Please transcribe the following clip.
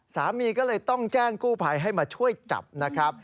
สามีก็เลยต้องแจ้งกู้ภัยให้มาช่วยจับนะครับ